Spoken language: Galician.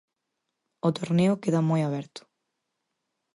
O torneo queda moi aberto.